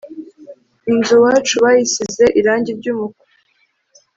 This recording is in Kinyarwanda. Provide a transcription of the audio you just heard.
inzu wacu bayisize irangi ryumuku